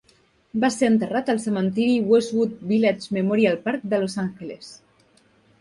Va ser enterrat al cementiri Westwood Village Memorial Park de Los Angeles.